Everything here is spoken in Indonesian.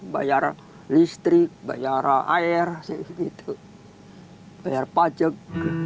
bayar listrik bayar air bayar pajak